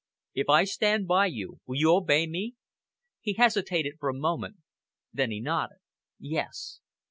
"If I stand by you, will you obey me?" He hesitated for a moment. Then he nodded. "Yes!"